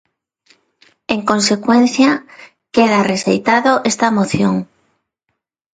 En consecuencia, queda rexeitado esta moción.